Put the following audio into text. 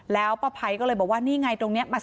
แล้วป้าภัยก็เลยบอกว่านี่ไงตรงนี้